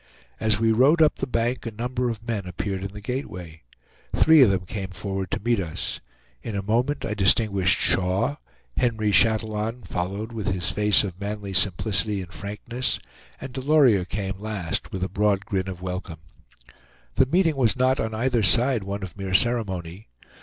As we rode up the bank, a number of men appeared in the gateway. Three of them came forward to meet us. In a moment I distinguished Shaw; Henry Chatillon followed with his face of manly simplicity and frankness, and Delorier came last, with a broad grin of welcome. The meeting was not on either side one of mere ceremony.